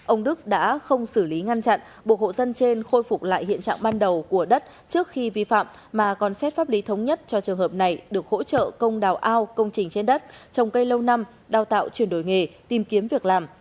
ông đức đã không xử lý ngăn chặn buộc hộ dân trên khôi phục lại hiện trạng ban đầu của đất trước khi vi phạm mà còn xét pháp lý thống nhất cho trường hợp này được hỗ trợ công đào ao công trình trên đất trồng cây lâu năm đào tạo chuyển đổi nghề tìm kiếm việc làm